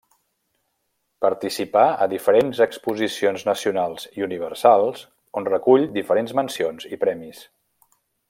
Participà a Diferents Exposicions Nacionals i Universals on recull diferents mencions i premis.